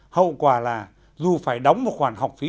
hậu quả là dù phải đóng một khoản học phí